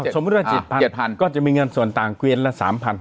สมมุติว่า๗๐๐๐ก็จะมีเงินส่วนต่างเวียนละ๓๐๐๐